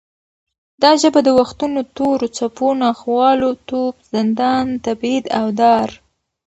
دا ژبه د وختونو تورو څپو، ناخوالو، توپ، زندان، تبعید او دار